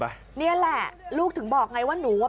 พ่อออกมามอบตัวเถอะลูกน่ะร้องไห้คุณผู้ชม